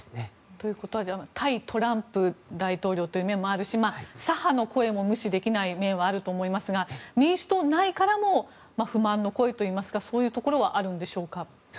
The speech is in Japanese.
ということで対トランプ大統領という面もあるし左派の声も無視できない面はあると思いますが民主党内からも不満の声といいますかそういうところはあるんでしょうか。